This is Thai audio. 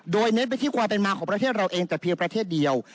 โดยเน้นไปที่ความเป็นมาของประเทศเราเองแต่เพียงประเทศเดียว